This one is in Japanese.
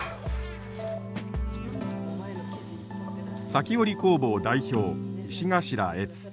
裂き織工房代表石頭悦。